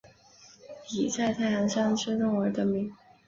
以在太行山之东而得名。